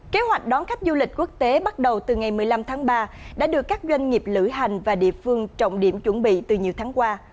kế hoạch đón khách du lịch quốc tế bắt đầu từ ngày một mươi năm tháng ba đã được các doanh nghiệp lữ hành và địa phương trọng điểm chuẩn bị từ nhiều tháng qua